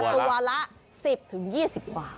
ตัวละ๑๐ถึง๒๐กว่า